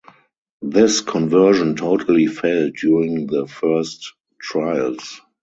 This conversion totally failed during the first trials.